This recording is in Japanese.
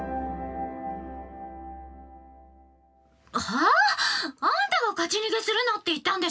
「ハァ？あんたが勝ち逃げするなって言ったんでしょ⁉」。